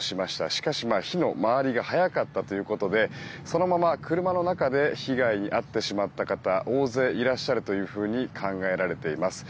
しかし、火の回りが早かったということでそのまま車の中で被害に遭ってしまった方大勢いらっしゃるというふうに考えられています。